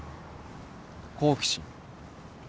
好奇心。